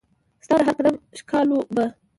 ستا د هرقدم ښکالو به